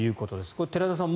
これ、寺田さん